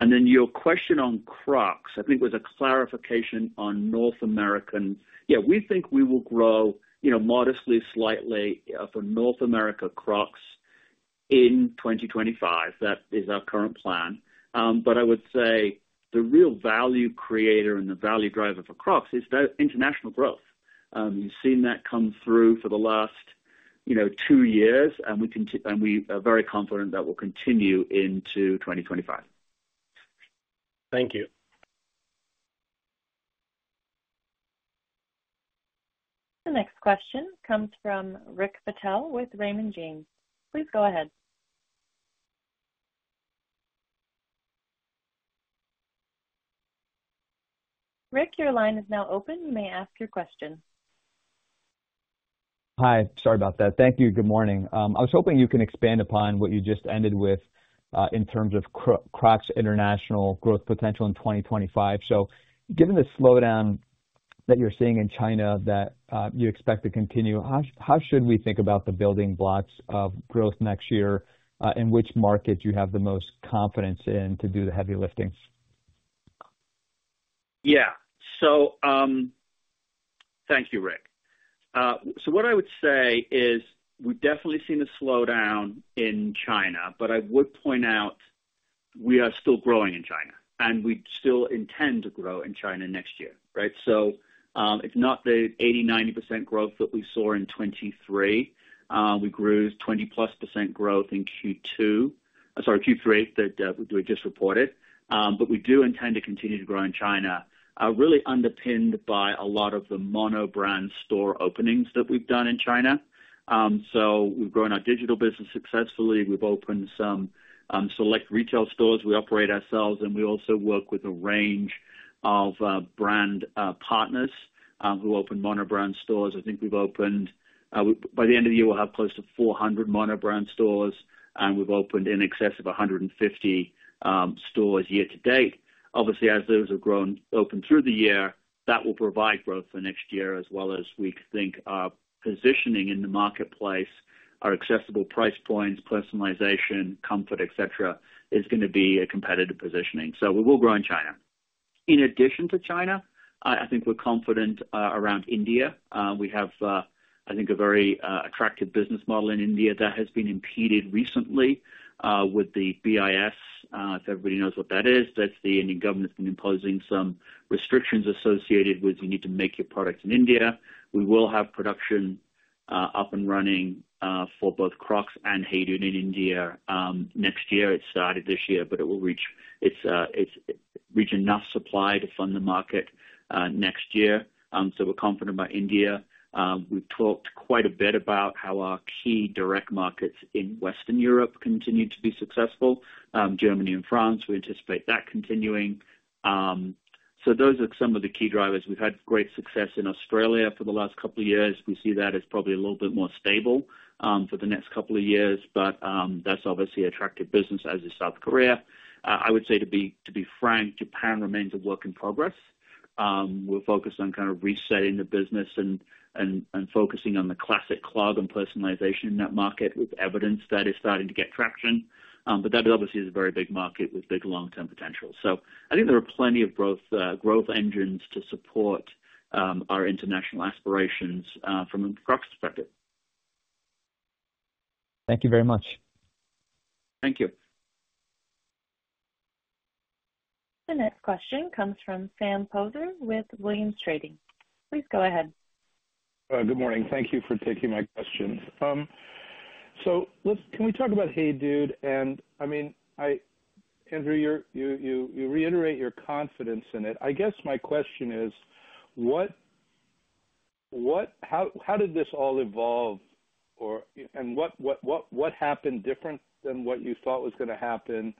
And then your question on Crocs, I think it was a clarification on North America. Yeah, we think we will grow modestly, slightly for North America Crocs in 2025. That is our current plan. But I would say the real value creator and the value driver for Crocs is international growth. You've seen that come through for the last two years, and we are very confident that will continue into 2025. Thank you. The next question comes from Rick Patel with Raymond James. Please go ahead. Rick, your line is now open. You may ask your question. Hi. Sorry about that. Thank you. Good morning. I was hoping you can expand upon what you just ended with in terms of Crocs' international growth potential in 2025. So given the slowdown that you're seeing in China that you expect to continue, how should we think about the building blocks of growth next year? In which markets do you have the most confidence in to do the heavy lifting? Yeah. So thank you, Rick. So what I would say is we've definitely seen a slowdown in China, but I would point out we are still growing in China, and we still intend to grow in China next year, right? So it's not the 80%-90% growth that we saw in 2023. We grew 20-plus% growth in Q2, sorry, Q3 that we just reported. But we do intend to continue to grow in China, really underpinned by a lot of the mono-brand store openings that we've done in China. So we've grown our digital business successfully. We've opened some select retail stores. We operate ourselves, and we also work with a range of brand partners who open mono-brand stores. I think we've opened by the end of the year, we'll have close to 400 mono-brand stores, and we've opened in excess of 150 stores year to date. Obviously, as those have opened through the year, that will provide growth for next year, as well as we think our positioning in the marketplace, our accessible price points, personalization, comfort, etc., is going to be a competitive positioning. So we will grow in China. In addition to China, I think we're confident around India. We have, I think, a very attractive business model in India that has been impeded recently with the BIS. If everybody knows what that is, that's the Indian government's been imposing some restrictions associated with you need to make your products in India. We will have production up and running for both Crocs and HEYDUDE in India next year. It started this year, but it will reach enough supply to fund the market next year. So we're confident about India. We've talked quite a bit about how our key direct markets in Western Europe continue to be successful: Germany and France. We anticipate that continuing. So those are some of the key drivers. We've had great success in Australia for the last couple of years. We see that as probably a little bit more stable for the next couple of years. But that's obviously attractive business, as is South Korea. I would say, to be frank, Japan remains a work in progress. We're focused on kind of resetting the business and focusing on the Classic Clog and personalization in that market, with evidence that is starting to get traction. But that obviously is a very big market with big long-term potential. So I think there are plenty of growth engines to support our international aspirations from a Crocs perspective. Thank you very much. Thank you. The next question comes from Sam Poser with Williams Trading. Please go ahead. Good morning. Thank you for taking my question. So can we talk about HEYDUDE? And I mean, Andrew, you reiterate your confidence in it. I guess my question is, how did this all evolve? And what happened different than what you thought was going to happen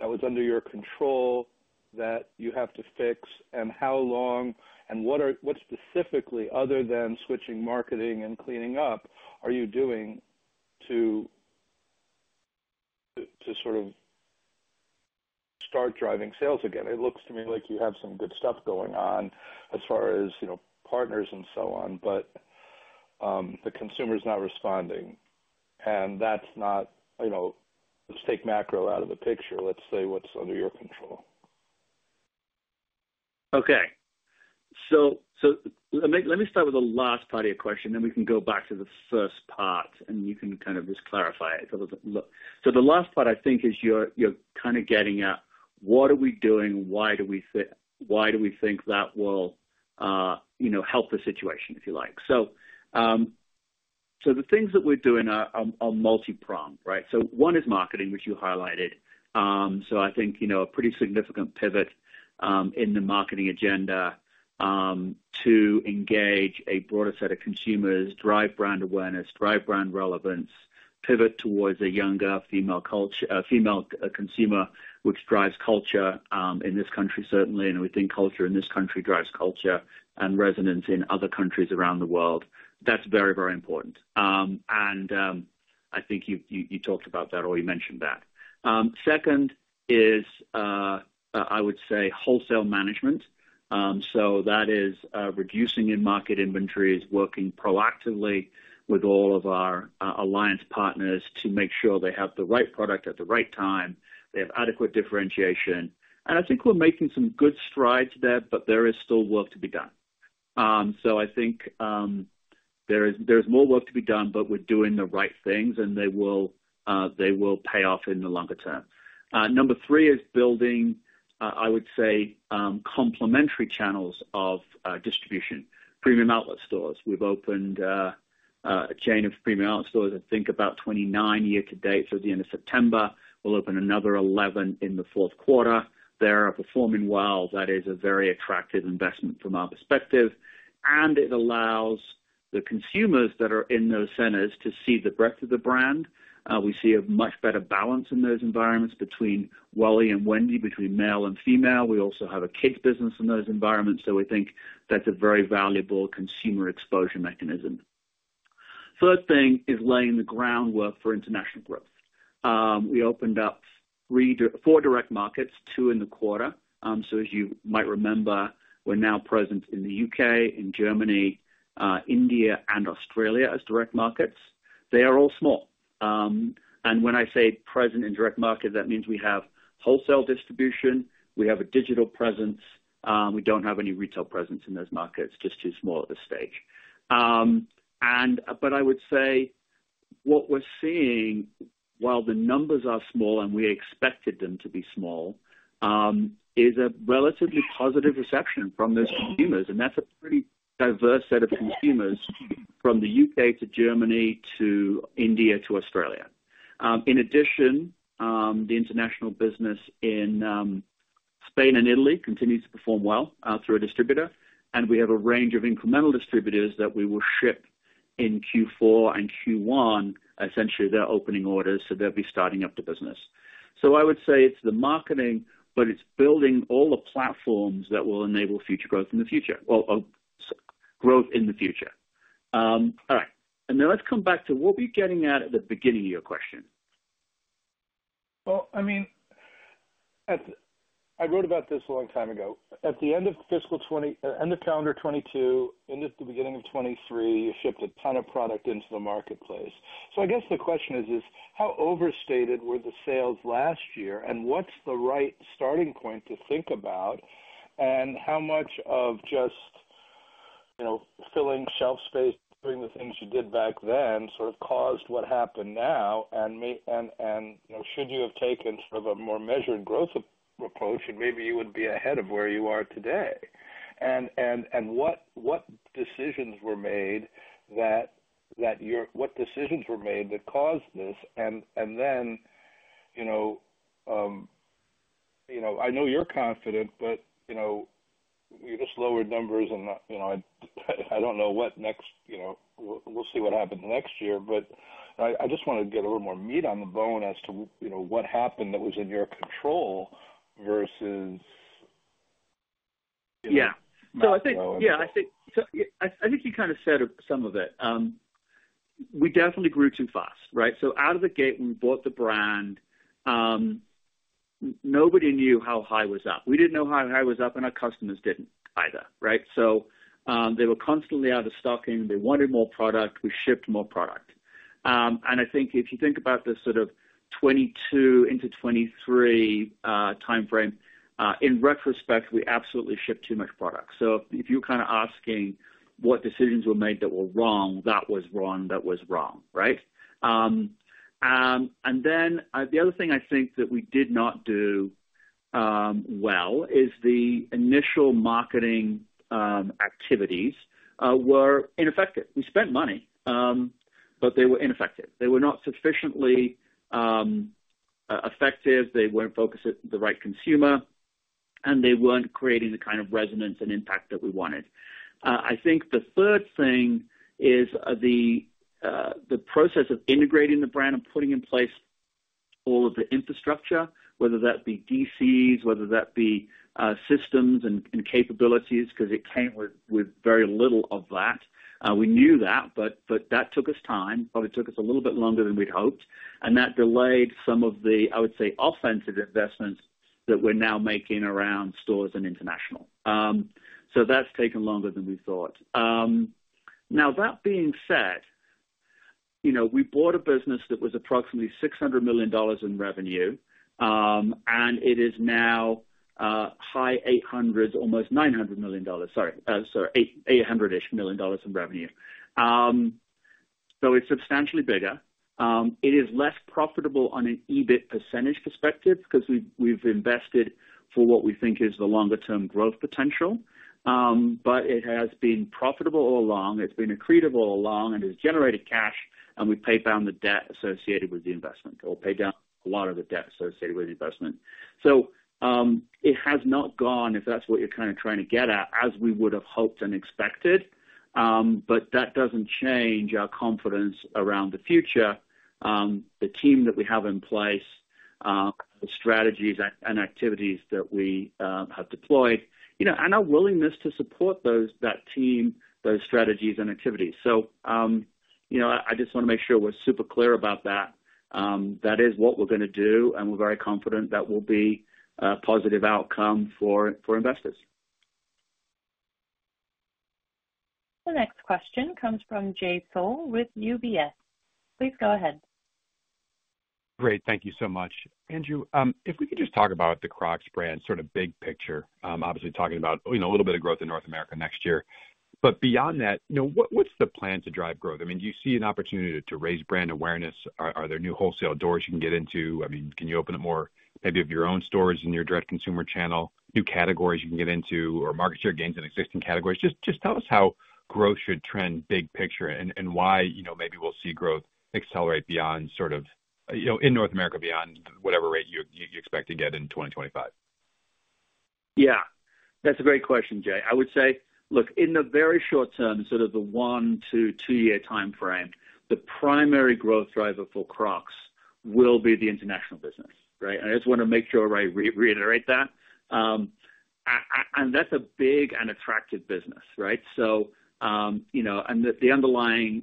that was under your control that you have to fix? And how long and what specifically, other than switching marketing and cleaning up, are you doing to sort of start driving sales again? It looks to me like you have some good stuff going on as far as partners and so on, but the consumer's not responding. And that's not, let's take macro out of the picture. Let's say what's under your control. Okay. So let me start with the last part of your question, and then we can go back to the first part, and you can kind of just clarify it. So the last part, I think, is you're kind of getting at what are we doing? Why do we think that will help the situation, if you like? So the things that we're doing are multi-pronged, right? So one is marketing, which you highlighted. So I think a pretty significant pivot in the marketing agenda to engage a broader set of consumers, drive brand awareness, drive brand relevance, pivot towards a younger female consumer, which drives culture in this country, certainly. And we think culture in this country drives culture and resonance in other countries around the world. That's very, very important. And I think you talked about that or you mentioned that. Second is, I would say, wholesale management. So that is reducing in market inventories, working proactively with all of our alliance partners to make sure they have the right product at the right time. They have adequate differentiation. And I think we're making some good strides there, but there is still work to be done. So I think there's more work to be done, but we're doing the right things, and they will pay off in the longer term. Number three is building, I would say, complementary channels of distribution: premium outlet stores. We've opened a chain of premium outlet stores, I think, about 29 year to date. So at the end of September, we'll open another 11 in the fourth quarter. They're performing well. That is a very attractive investment from our perspective. And it allows the consumers that are in those centers to see the breadth of the brand. We see a much better balance in those environments between Wally and Wendy, between male and female. We also have a kids' business in those environments. So we think that's a very valuable consumer exposure mechanism. Third thing is laying the groundwork for international growth. We opened up four direct markets, two in the quarter. So as you might remember, we're now present in the U.K., in Germany, India, and Australia as direct markets. They are all small. And when I say present in direct market, that means we have wholesale distribution. We have a digital presence. We don't have any retail presence in those markets. Just too small at this stage. But I would say what we're seeing, while the numbers are small and we expected them to be small, is a relatively positive reception from those consumers. And that's a pretty diverse set of consumers from the U.K. to Germany to India to Australia. In addition, the international business in Spain and Italy continues to perform well through a distributor. And we have a range of incremental distributors that we will ship in Q4 and Q1, essentially their opening orders. So they'll be starting up the business. So I would say it's the marketing, but it's building all the platforms that will enable future growth in the future. Well, growth in the future. All right. And then let's come back to what we're getting at at the beginning of your question. Well, I mean, I wrote about this a long time ago. At the end of fiscal end of calendar 2022, end of the beginning of 2023, you shipped a ton of product into the marketplace. So I guess the question is, how overstated were the sales last year? And what's the right starting point to think about? And how much of just filling shelf space, doing the things you did back then, sort of caused what happened now? Should you have taken sort of a more measured growth approach, and maybe you would be ahead of where you are today? What decisions were made that caused this? I know you're confident, but you just lowered numbers, and I don't know what next. We'll see what happens next year. I just want to get a little more meat on the bone as to what happened that was in your control versus yeah. I think, yeah, I think you kind of said some of it. We definitely grew too fast, right? Out of the gate, when we bought the brand, nobody knew how high was up. We didn't know how high was up, and our customers didn't either, right? They were constantly out of stock. They wanted more product. We shipped more product. I think if you think about the sort of 2022 into 2023 timeframe, in retrospect, we absolutely shipped too much product. So if you're kind of asking what decisions were made that were wrong, that was wrong. That was wrong, right? And then the other thing I think that we did not do well is the initial marketing activities were ineffective. We spent money, but they were ineffective. They were not sufficiently effective. They weren't focused at the right consumer, and they weren't creating the kind of resonance and impact that we wanted. I think the third thing is the process of integrating the brand and putting in place all of the infrastructure, whether that be DCs, whether that be systems and capabilities, because it came with very little of that. We knew that, but that took us time. Probably took us a little bit longer than we'd hoped. And that delayed some of the, I would say, offensive investments that we're now making around stores and international. So that's taken longer than we thought. Now, that being said, we bought a business that was approximately $600 million in revenue, and it is now high 800s, almost $900 million. Sorry. Sorry. 800-ish million dollars in revenue. So it's substantially bigger. It is less profitable on an EBIT percentage perspective because we've invested for what we think is the longer-term growth potential. But it has been profitable all along. It's been accretive all along and has generated cash. And we've paid down the debt associated with the investment or paid down a lot of the debt associated with the investment. So it has not gone, if that's what you're kind of trying to get at, as we would have hoped and expected. But that doesn't change our confidence around the future, the team that we have in place, the strategies and activities that we have deployed, and our willingness to support that team, those strategies and activities. So I just want to make sure we're super clear about that. That is what we're going to do, and we're very confident that will be a positive outcome for investors. The next question comes from Jay Sole with UBS. Please go ahead. Great. Thank you so much. Andrew, if we could just talk about the Crocs brand, sort of big picture, obviously talking about a little bit of growth in North America next year. But beyond that, what's the plan to drive growth? I mean, do you see an opportunity to raise brand awareness? Are there new wholesale doors you can get into? I mean, can you open up more maybe of your own stores in your direct consumer channel, new categories you can get into, or market share gains in existing categories? Just tell us how growth should trend big picture and why maybe we'll see growth accelerate beyond sort of in North America, beyond whatever rate you expect to get in 2025? Yeah. That's a great question, Jay. I would say, look, in the very short term, sort of the one, two, two-year timeframe, the primary growth driver for Crocs will be the international business, right? I just want to make sure I reiterate that. And that's a big and attractive business, right? And the underlying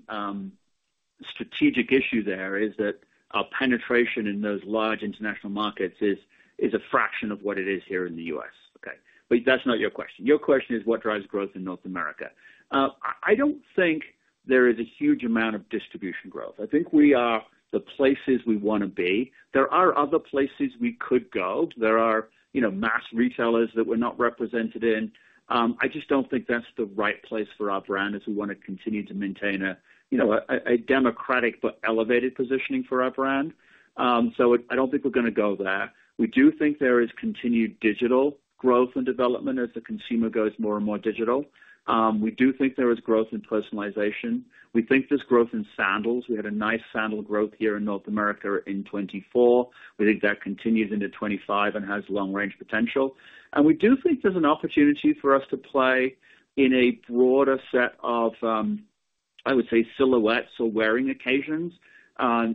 strategic issue there is that our penetration in those large international markets is a fraction of what it is here in the U.S., okay? But that's not your question. Your question is what drives growth in North America. I don't think there is a huge amount of distribution growth. I think we are the places we want to be. There are other places we could go. There are mass retailers that we're not represented in. I just don't think that's the right place for our brand as we want to continue to maintain a democratic but elevated positioning for our brand. So I don't think we're going to go there. We do think there is continued digital growth and development as the consumer goes more and more digital. We do think there is growth in personalization. We think there's growth in sandals. We had a nice sandal growth here in North America in 2024. We think that continues into 2025 and has long-range potential. And we do think there's an opportunity for us to play in a broader set of, I would say, silhouettes or wearing occasions.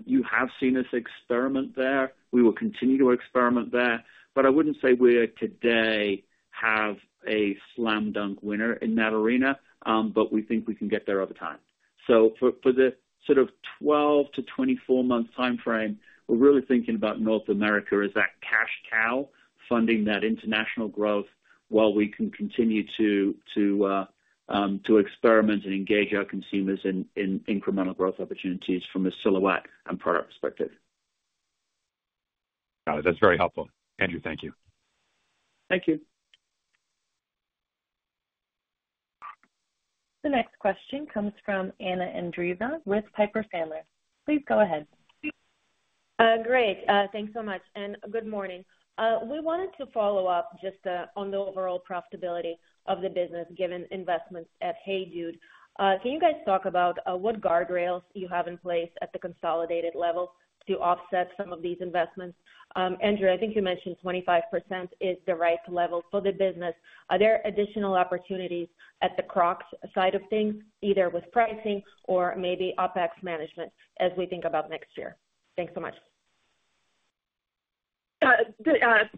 You have seen us experiment there. We will continue to experiment there. But I wouldn't say we today have a slam dunk winner in that arena, but we think we can get there over time. So for the sort of 12 to 24-month timeframe, we're really thinking about North America as that cash cow funding that international growth while we can continue to experiment and engage our consumers in incremental growth opportunities from a silhouette and product perspective. Got it. That's very helpful. Andrew, thank you. Thank you. The next question comes from Anna Andreeva with Piper Sandler. Please go ahead. Great. Thanks so much. And good morning. We wanted to follow up just on the overall profitability of the business given investments at HEYDUDE. Can you guys talk about what guardrails you have in place at the consolidated level to offset some of these investments? Andrew, I think you mentioned 25% is the right level for the business. Are there additional opportunities at the Crocs side of things, either with pricing or maybe OpEx management as we think about next year? Thanks so much.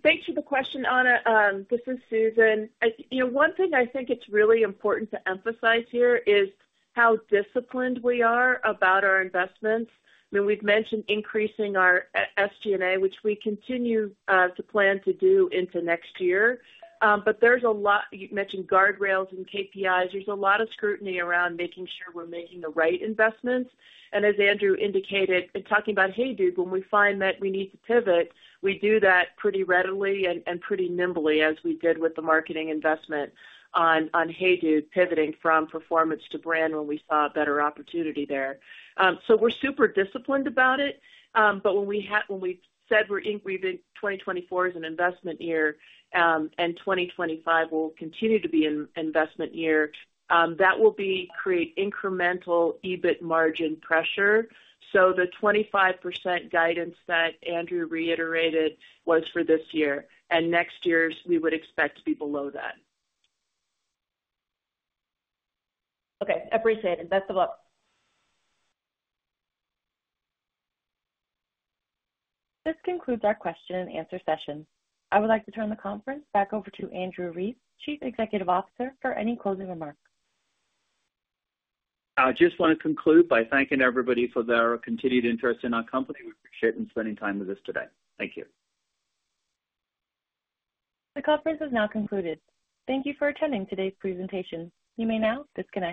Thank you for the question, Anna. This is Susan. One thing I think it's really important to emphasize here is how disciplined we are about our investments. I mean, we've mentioned increasing our SG&A, which we continue to plan to do into next year. But there's a lot. You mentioned guardrails and KPIs. There's a lot of scrutiny around making sure we're making the right investments. And as Andrew indicated, in talking about HEYDUDE, when we find that we need to pivot, we do that pretty readily and pretty nimbly as we did with the marketing investment on HEYDUDE, pivoting from performance to brand when we saw a better opportunity there. So we're super disciplined about it. But when we said 2024 is an investment year and 2025 will continue to be an investment year, that will create incremental EBIT margin pressure. So the 25% guidance that Andrew reiterated was for this year. And next year's, we would expect to be below that. Okay. Appreciate it. Best of luck. This concludes our question and answer session. I would like to turn the conference back over to Andrew Rees, Chief Executive Officer, for any closing remarks. I just want to conclude by thanking everybody for their continued interest in our company. We appreciate them spending time with us today. Thank you. The conference is now concluded. Thank you for attending today's presentation. You may now disconnect.